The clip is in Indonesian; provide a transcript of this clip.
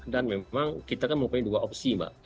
dan memang kita kan mempunyai dua opsi mbak